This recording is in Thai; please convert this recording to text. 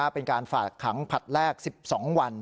เป็นการฝากขังผลัดแรก๑๒วัน